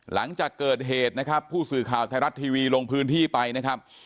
หลังจากเกิดเหตุนะครับผู้สื่อข่าวไทยรัฐทีวีลงพื้นที่ไปนะครับ